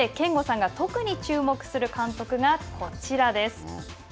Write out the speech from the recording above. この中で憲剛さんが特に注目する監督がこちらです。